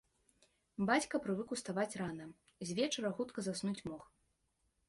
Бацька прывык уставаць рана, звечара хутка заснуць мог.